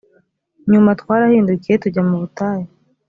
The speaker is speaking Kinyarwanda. nyuma twarahindukiye tujya mu butayu